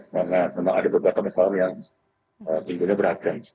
karena ada beberapa masalah yang benar benar beratkan